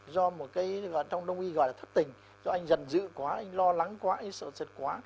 do một cái trong đồng ý gọi là thất tình do anh dần dự quá anh lo lắng quá anh sợ sệt quá